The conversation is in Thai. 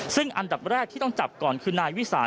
ซึ่งอันดับแรกที่ต้องจับก่อนคือนายวิสาน